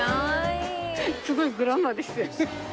すごいグラマーでしたよ。